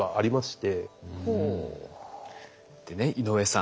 でね井上さん